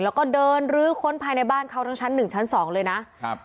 แล้วก็เดินลื้อค้นภายในบ้านเขาทั้งชั้นหนึ่งชั้นสองเลยนะครับ